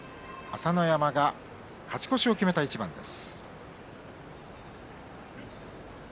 朝乃山が勝ち越しを決めた一番です。